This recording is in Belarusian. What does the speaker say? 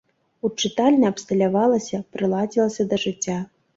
У чытальні абсталявалася, прыладзілася да жыцця.